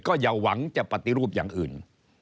ก็อย่าหวังจะปฏิรูปอย่างอื่น